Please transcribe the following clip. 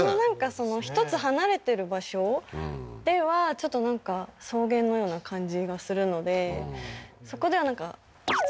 その１つ離れてる場所ではちょっとなんか草原のような感じがするのでそこではなんか羊？